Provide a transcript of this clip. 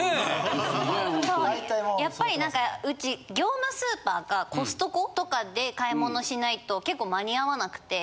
やっぱり何かうち業務スーパーかコストコとかで買い物しないと結構間に合わなくて。